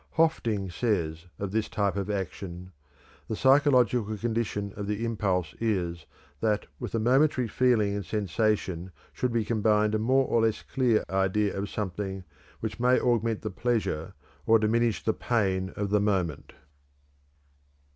Hoffding says of this type of action: "The psychological condition of the impulse is, that with the momentary feeling and sensation should be combined a more or less clear idea of something which may augment the pleasure or diminish the pain of the moment."